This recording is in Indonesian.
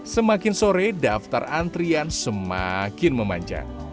semakin sore daftar antrian semakin memanjang